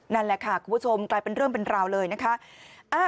นั่นแหละค่ะคุณผู้ชมกลายเป็นเรื่องเป็นราวเลยนะคะ